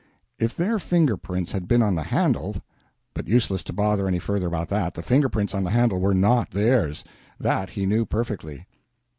If their finger prints had been on the handle but it was useless to bother any further about that; the finger prints on the handle were not theirs that he knew perfectly.